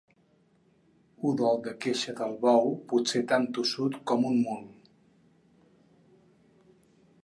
Udol de queixa del bou, potser tan tossut com un mul.